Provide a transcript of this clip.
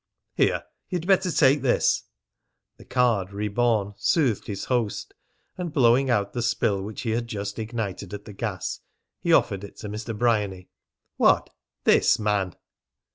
"Here, you'd better take this," the Card, reborn, soothed his host, and, blowing out the spill which he had just ignited at the gas, he offered it to Mr. Bryany. "What?" "This, man!"